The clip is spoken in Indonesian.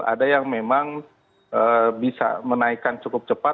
ada yang memang bisa menaikkan cukup cepat